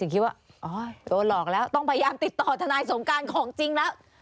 คิดว่าโดนหลอกแล้วต้องพยายามติดต่อทนายสงการของจริงแล้ว